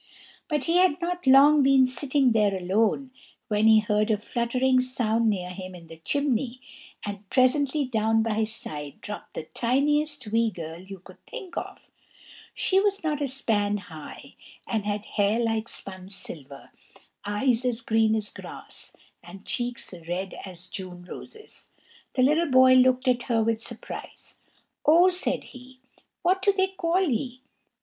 But he had not long been sitting there alone, when he heard a fluttering sound near him in the chimney and presently down by his side dropped the tiniest wee girl you could think of; she was not a span high, and had hair like spun silver, eyes as green as grass, and cheeks red as June roses. The little boy looked at her with surprise. "Oh!" said he; "what do they call ye?"